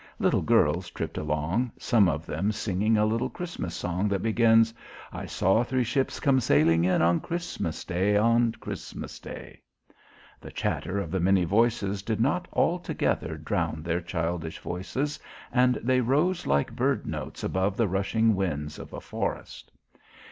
Little girls tripped along, some of them singing a little Christmas song that begins "I saw three ships come sailing in, On Christmas Day, on Christmas Day." The chatter of the many voices did not altogether drown their childish voices and they rose like bird notes above the rushing winds of a forest.